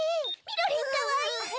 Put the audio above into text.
みろりんかわいい！